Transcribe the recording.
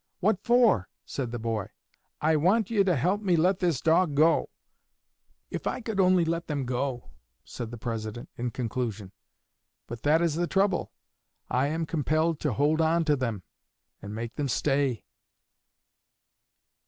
'What for?' said the boy. 'I want you to help me let this dog go.' If I could only let them go!" said the President, in conclusion; "but that is the trouble. I am compelled to hold on to them and make them stay."